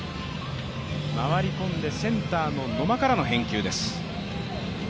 回り込んでセンターの野間からの返球です。